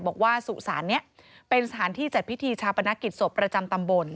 บอกว่าสุสานนี้เป็นสถานที่จัดพิธีชาปนกิจศพประจำตำบล